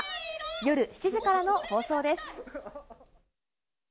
夜７時からの放送です。